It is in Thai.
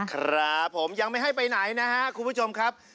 ครับผมยังไม่ให้ไปไหนนะครับคุณผู้ชมครับ